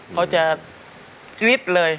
เขาจะวีดเลย